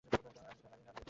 এটাও নিতে পারি?